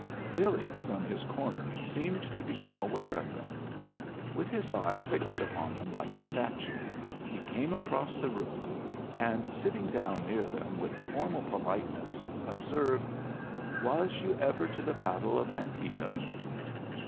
Billy from his corner seemed to become aware of them. With his eye fixed upon them like a statue, he came across the room, and, sitting down near them with formal politeness, observed, "Was you ever to the battle of Antietam?"